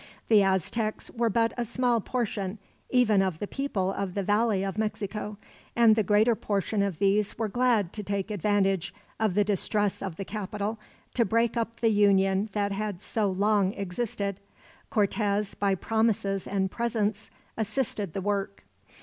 The Aztecs were but a small portion, even of the people of the Valley of Mexico; and the greater portion of these were glad to take advantage of the distress of the capital to break up the union that had so long existed. Cortez, by promises and presents, assisted the work.